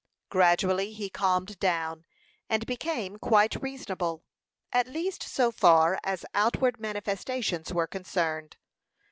Gradually he calmed down, and became quite reasonable, at least so far as outward manifestations were concerned.